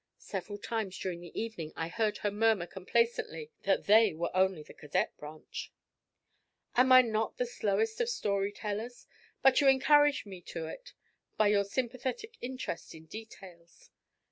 Several times during the evening I heard her murmur complacently that they were only the cadet branch. Am I not the slowest of story tellers? But you encourage me to it by your sympathetic interest in details.